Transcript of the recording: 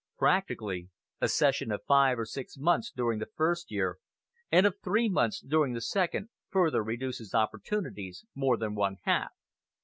Practically a session of five or six months during the first year, and of three months during the second, further reduce his opportunities more than one half.